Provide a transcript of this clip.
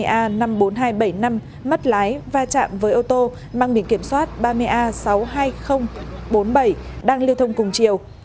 ba a năm mươi bốn nghìn hai trăm bảy mươi năm mất lái va chạm với ô tô mang biển kiểm soát ba mươi a sáu mươi hai nghìn bốn mươi bảy đang lưu thông cùng chiều